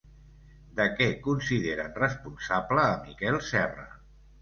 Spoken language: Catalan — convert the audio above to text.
De què consideren responsable a Miquel Serra?